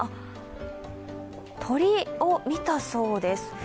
鳥を見たそうです。